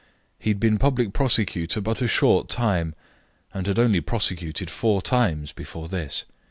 He had been public prosecutor but a short time, and had only prosecuted four times before this.